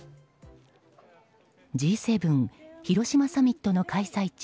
Ｇ７広島サミットの開催地